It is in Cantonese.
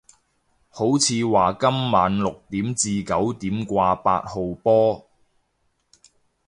好似話今晚六點至九點掛八號波